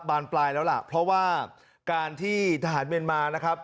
บานปลายแล้วล่ะเพราะว่าการที่ทหารเมียนมานะครับ